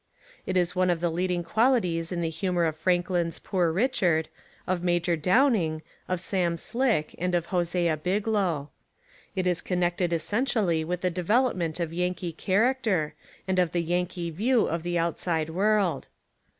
It is one of the leading qualities in the humour of Franklin's Poor Richard, of Major Downing, of Sam Slick and of Hosea Biglow. It is con nected essentially with the development of Yan kee character, and of the Yankee view of the outside world.